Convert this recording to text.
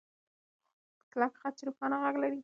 کلک خج روښانه غږ لري.